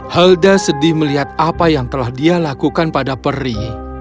helda sedih melihat apa yang telah dia lakukan pada peri